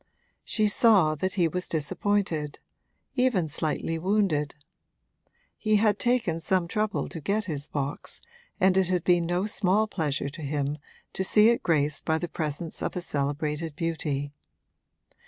She saw that he was disappointed even slightly wounded: he had taken some trouble to get his box and it had been no small pleasure to him to see it graced by the presence of a celebrated beauty.